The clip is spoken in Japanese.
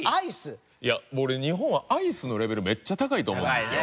いやもう俺日本はアイスのレベルめっちゃ高いと思うんですよ。